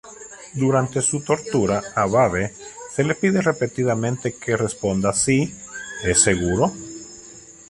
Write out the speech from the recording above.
Durante su tortura, a Babe se le pide repetidamente que responda si "¿Es seguro?